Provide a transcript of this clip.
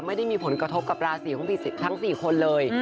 ไม่ได้มีผลกระทบกับราศีของทั้ง๔คนเลย